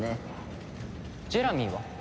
ジェラミーは？